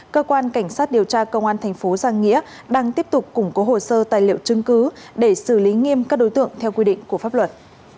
cơ quan cảnh sát điều tra công an thành phố giang nghĩa đang tiếp tục củng cố hồ sơ tài liệu chứng cứ để xử lý nghiêm các đối tượng theo quy định của pháp luật